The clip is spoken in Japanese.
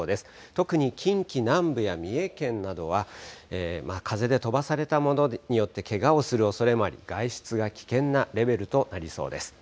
特に近畿南部や三重県などは、風で飛ばされたものによってけがをするおそれもあり、外出が危険なレベルとなりそうです。